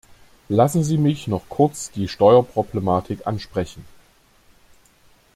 Lassen Sie mich noch kurz die Steuerproblematik ansprechen.